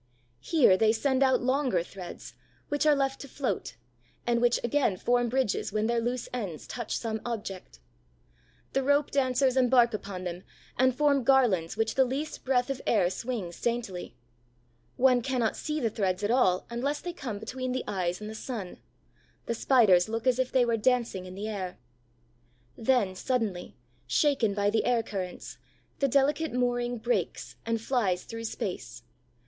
Here they send out longer threads, which are left to float, and which again form bridges when their loose ends touch some object. The rope dancers embark upon them and form garlands which the least breath of air swings daintily. One cannot see the threads at all unless they come between the eyes and the sun; the Spiders look as if they were dancing in the air. Then, suddenly, shaken by the air currents, the delicate mooring breaks and flies through space.